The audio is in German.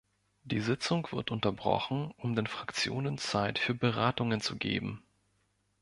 Die Sitzung wird unterbrochen, um den Fraktionen Zeit für Beratungen zu geben.